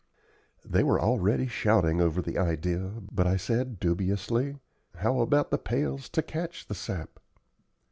They were already shouting over the idea, but I said dubiously, "How about the pails to catch the sap?"